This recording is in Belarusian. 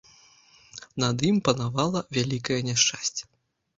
Над ім панавала вялікае няшчасце.